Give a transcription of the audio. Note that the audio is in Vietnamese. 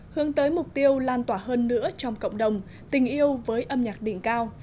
hướng tới mục tiêu lan tỏa hơn nữa trong cộng đồng tình yêu với âm nhạc đỉnh cao